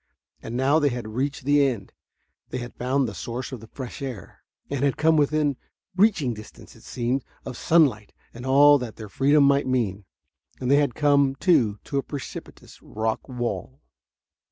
And now they had reached the end. They had found the source of the fresh air, had come within reaching distance, it seemed, of sunlight and all that their freedom might mean. And they had come, too, to a precipitous rock wall.